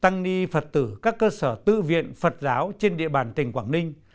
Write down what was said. tăng ni phật tử các cơ sở tự viện phật giáo trên địa bàn tỉnh quảng ninh